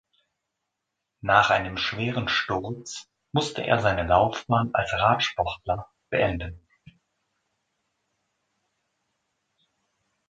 Nach einem schweren Sturz musste er seine Laufbahn als Radsportler beenden.